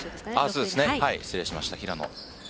失礼しました平野。